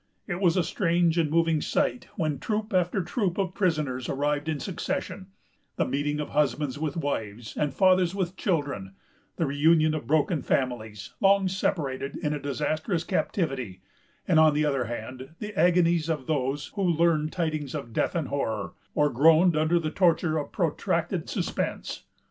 It was a strange and moving sight, when troop after troop of prisoners arrived in succession——the meeting of husbands with wives, and fathers with children, the reunion of broken families, long separated in a disastrous captivity; and, on the other hand, the agonies of those who learned tidings of death and horror, or groaned under the torture of protracted suspense.